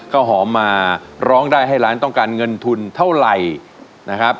ข้าวหอมมาร้องได้ให้ล้านต้องการเงินทุนเท่าไหร่นะครับ